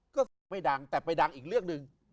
ก็ศึกไม่ดังแต่ไปดังอีกเรื่องหนึ่ง